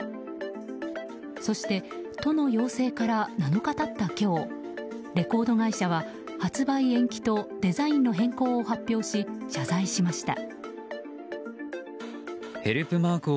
そして、都の要請から７日経った今日レコード会社は発売延期とデザインの変更を発表し謝罪しました。